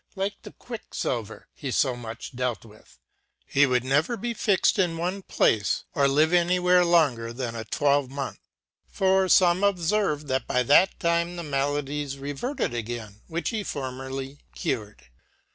Like the quickiilver ( he fb much I dealt with ) he would never be fixt in one place, or live any ! where longer then a twelvemoneth : for fame obierve that j by that time the maladies reverted again, which he formerly j cured.